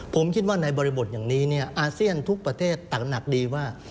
ผมคิดว่าในบริบทอย่างนี้อาเซียนทุกประเทศตักหนักดีว่า